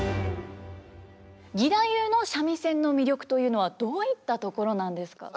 義太夫の三味線の魅力というのはどういったところなんですか？